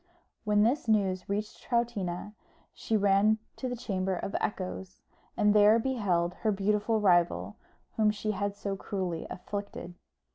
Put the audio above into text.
When this news reached Troutina, she ran to the Chamber of Echoes, and there beheld her beautiful rival, whom she had so cruelly afflicted.